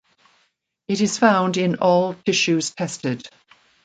It is found in all tissues tested.